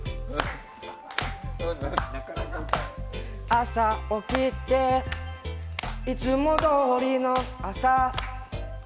朝起きていつもどおりの朝。